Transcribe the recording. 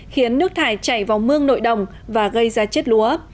khiến nước thải chảy vào mương nội đồng và gây ra chết lúa